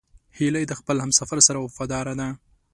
هیلۍ د خپل همسفر سره وفاداره ده